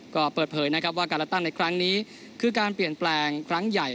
ก็เปิดเผยนะครับว่าการเลือกตั้งในครั้งนี้คือการเปลี่ยนแปลงครั้งใหญ่